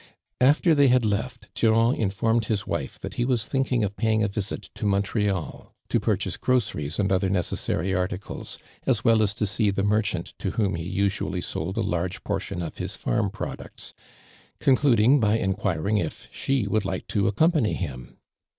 "' After they had left, Durand uiformed his wife that he was thinking of paying a visit to Montreal, to j)Ui"ehase groceries and other necessai y articles, as well as to see the merchant to whom he usually sold a large iiortion of his farm products ; conclu ding by enquiring if she would like to accompany him.